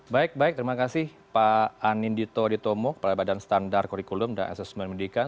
baik baik terima kasih pak anindito ditomo kepala badan standar kurikulum dan asesmen pendidikan